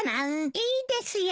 いいですよ。